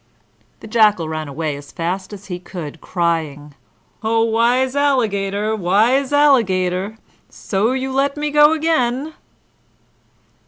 The Jackal ran away as fast as he could, crying, "O wise Alligator, wise Alligator! So you let me go again!"